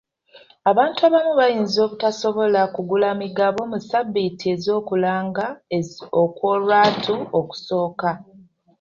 Abantu abamu bayinza obutasobola kugula migabo mu ssabbiiti ez'okulanga okw'olwatu okusooka.